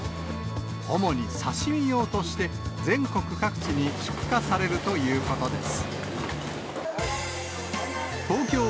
主に刺身用として全国各地に出荷されるということです。